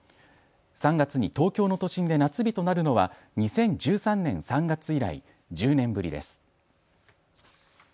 ３月に東京の都心で夏日となるのは２０１３年３月以来１０年ぶりです。